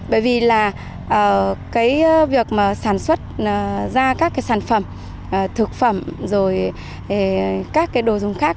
bởi vì là cái việc mà sản xuất ra các cái sản phẩm thực phẩm rồi các cái đồ dùng khác